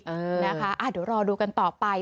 เดี๋ยวรอดูกันต่อไป